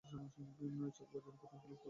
চকবাজার প্রথমে ছিল পুলিশ ফাঁড়ি হিসেবে।